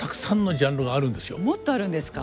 もっとあるんですか。